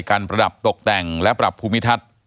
ประดับตกแต่งและปรับภูมิทัศน์